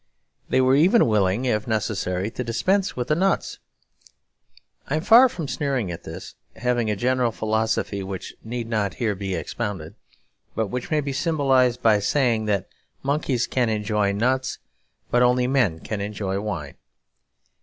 They were even willing, if necessary, to dispense with the nuts. I am far from sneering at this; having a general philosophy which need not here be expounded, but which may be symbolised by saying that monkeys can enjoy nuts but only men can enjoy wine.